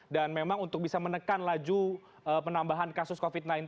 dan memang untuk bisa menekan laju penambahan kasus covid sembilan belas